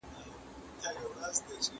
زه خبري کړي دي